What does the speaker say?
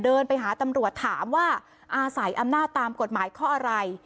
เดินไปหาตำรวจถามว่าอาศัยอำนาจตามกฎหมายข้ออะไร